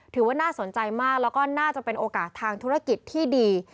ถือว่าน่าสนใจมากแล้วก็น่าจะเป็นโอกาสทางธุรกิจที่ดี